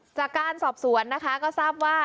จากการสอบสวนนะคะก็ทราบว่า